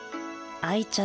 愛ちゃん？